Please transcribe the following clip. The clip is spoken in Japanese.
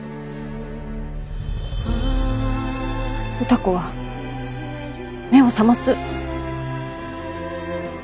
歌子は目を覚ます。